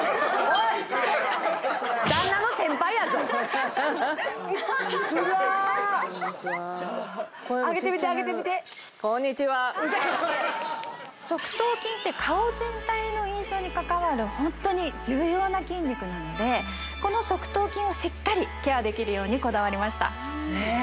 声もちっちゃなる上げてみて上げてみて側頭筋って顔全体の印象にかかわるホントに重要な筋肉なのでこの側頭筋をしっかりケアできるようにこだわりましたねえ